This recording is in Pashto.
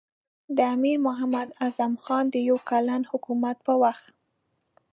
د امیر محمد اعظم خان د یو کلن حکومت په وخت.